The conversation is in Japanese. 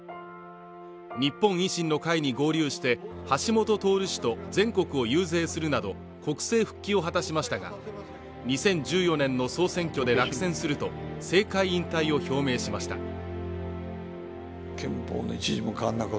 日本維新の会に合流して橋下徹氏と全国を遊説するなど国政復帰を果たしましたが２０１４年の総選挙で落選すると政界引退を表明しました。